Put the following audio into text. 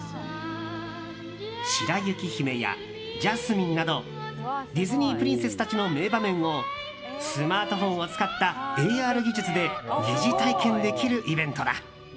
白雪姫やジャスミンなどディズニープリンセスたちの名場面をスマートフォンを使ったＡＲ技術で疑似体験できるイベントだ。